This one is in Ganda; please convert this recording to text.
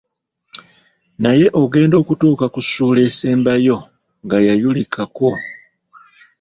Naye ogenda okutuuka ku ssuula esembayo ga yayulikako?"